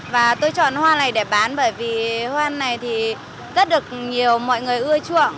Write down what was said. và tôi chọn hoa này để bán bởi vì hoa này thì rất được nhiều mọi người ưa chuộng